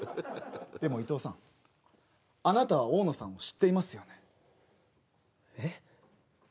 でもイトウさんあなたはオオノさんを知っていますよねえっ？